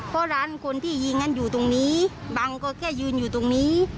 เพราะร้านคนที่ยิงนั้นอยู่ตรงนี้บังก็แค่ยืนอยู่ตรงนี้